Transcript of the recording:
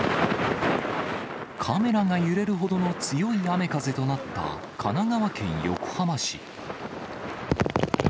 カメラが揺れるほどの強い雨風となった、神奈川県横浜市。